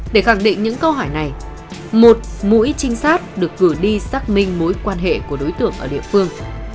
để khẳng định những câu hỏi này một mũi trinh sát được cử đi xác minh mối quan hệ của đối tượng ở địa phương